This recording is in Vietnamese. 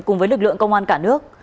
cùng với lực lượng công an cả nước